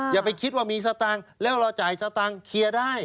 อย่าไปคิดว่ามีสตางค์แล้วเราจ่ายสตางค์เคลียร์ได้